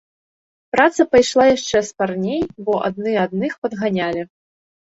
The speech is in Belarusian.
Праца пайшла яшчэ спарней, бо адны адных падганялі.